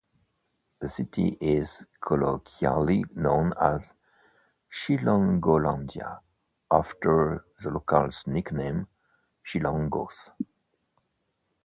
The city is colloquially known as "Chilangolandia" after the locals' nickname "chilangos".